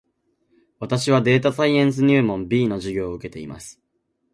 私はデータサイエンス入門 B の授業を受けています